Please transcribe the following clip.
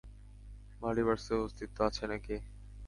মাল্টিভার্সের অস্তিত্ব আছে নাকি?